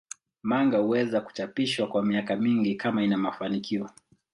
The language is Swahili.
Manga huweza kuchapishwa kwa miaka mingi kama ina mafanikio.